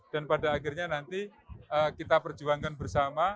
dan pada akhirnya nanti kita perjuangkan bersama